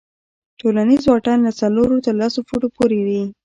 ټولنیز واټن له څلورو تر لسو فوټو پورې وي.